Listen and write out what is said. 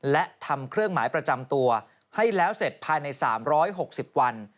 และทำเครื่องหมายประจำตัวให้แล้วเสร็จภายใน๓๖๐วัน